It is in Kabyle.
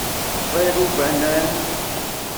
Ẓid ubanan.